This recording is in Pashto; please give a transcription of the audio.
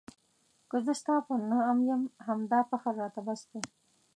که زه ستا په نام یم همدا فخر راته بس دی.